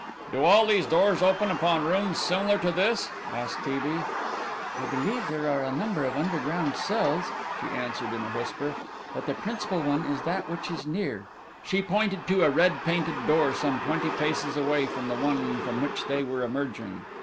"Do all these doors open upon rooms similar to this?" asked T. B. "I believe there are a number of underground cells," she answered in a whisper, "but the principal one is that which is near." She pointed to a red painted door some twenty paces away from the one from which they were emerging.